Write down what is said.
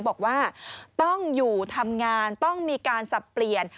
บอกว่าต้องอยู่ทำงานต้องมีการสับเปลี่ยน